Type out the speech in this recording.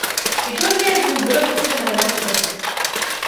І толькі адзін вырашыў замаляваць фота.